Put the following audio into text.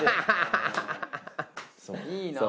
いいなぁ。